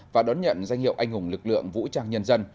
và đón nhận danh hiệu anh hùng lực lượng vũ trang nhân dân